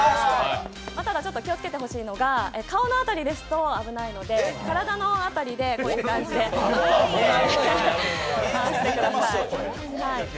ただちょっと気をつけてほしいのは、顔の辺りですと危ないので、体の辺りでこういう感じで回してください。